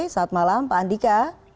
saat malam pak andika